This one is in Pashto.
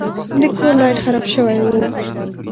د کور لایټ خراب شوی و.